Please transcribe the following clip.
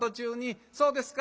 そうですか。